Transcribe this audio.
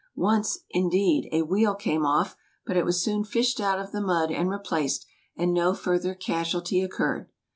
Once, indeed, a wheel came off, but it was soon fished out of the mud and replaced, and no further casualty occurred.